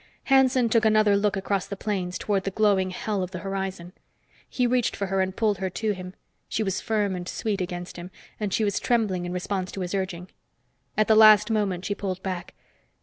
Hanson took another look across the plains toward the glowing hell of the horizon. He reached for her and pulled her to him. She was firm and sweet against him, and she was trembling in response to his urging. At the last moment she pulled back.